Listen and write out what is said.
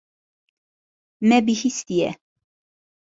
Me bihîstiye.